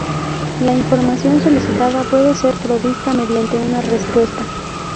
La información solicitada puede ser provista mediante una respuesta.